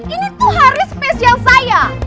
ini tuh hari spesial saya